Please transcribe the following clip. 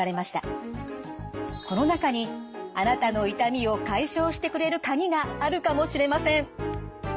この中にあなたの痛みを解消してくれる鍵があるかもしれません。